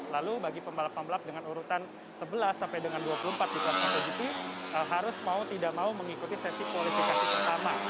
lalu bagi pembalap pembalap dengan urutan sebelas sampai dengan dua puluh empat di kelas motogp harus mau tidak mau mengikuti sesi kualifikasi pertama